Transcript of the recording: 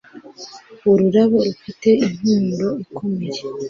Ururabo rufite impumuro ikomeye